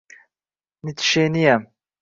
Nitsheniyam